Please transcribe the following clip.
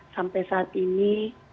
sampai saat ini